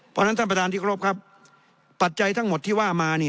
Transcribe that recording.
เพราะฉะนั้นท่านประธานที่เคารพครับปัจจัยทั้งหมดที่ว่ามานี่